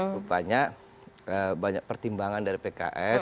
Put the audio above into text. rupanya banyak pertimbangan dari pks